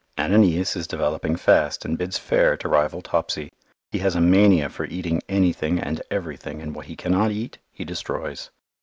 Ananias is developing fast and bids fair to rival Topsy. He has a mania for eating anything and everything, and what he cannot eat, he destroys.